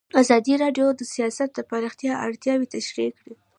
ازادي راډیو د سیاست د پراختیا اړتیاوې تشریح کړي.